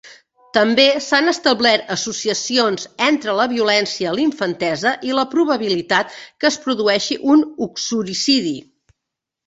També s'han establert associacions entre la violència a la infantesa i la probabilitat que es produeixi un uxoricidi.